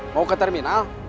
mau ke terminal